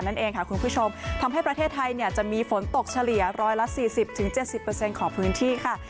นั่นเองค่ะคุณผู้ชมทำให้ประเทศไทยจะมีฝนตกเฉลี่ย๑๔๐๗๐ของพื้นที่ค่ะ